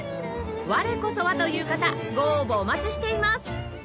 我こそはという方ご応募お待ちしています！